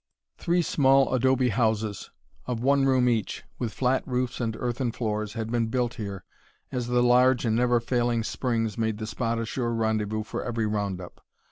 Three small adobe houses, of one room each, with flat roofs and earthen floors, had been built here, as the large and never failing springs made the spot a sure rendezvous for every round up.